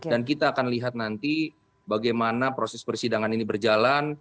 dan kita akan lihat nanti bagaimana proses persidangan ini berjalan